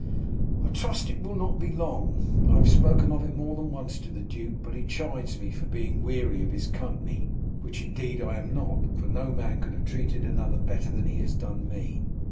"I trust it will not be long. I have spoken of it more than once to the duke, but he chides me for being weary of his company; which indeed I am not, for no man could have treated another better than he has done me.